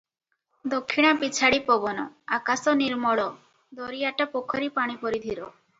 ଦକ୍ଷିଣା ପିଛାଡ଼ି ପବନ- ଆକାଶ ନିର୍ମଳ- ଦରିଆଟା ପୋଖରୀ ପାଣି ପରି ଧୀର ।